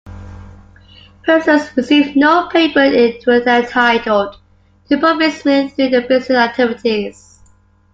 Pursers received no pay but were entitled to profits made through their business activities.